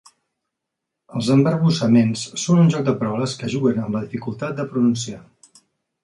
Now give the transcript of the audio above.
Els embarbussaments són un joc de paraules que juguen amb la dificultat de pronunciar.